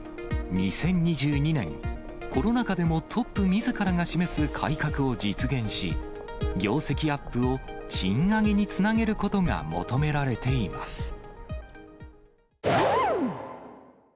２０２２年、コロナ禍でもトップみずからが示す改革を実現し、業績アップを賃上げにつなげることが求められています。